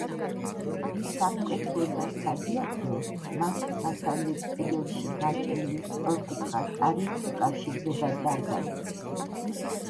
სამკვეთლო და სადიაკვნე მათ დასავლეთ კედელში გაჭრილი სწორკუთხა კარით უკავშირდება დარბაზს.